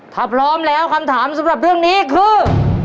ถ้าพร้อมแล้วคำถามสำหรับเรื่องนี้คือ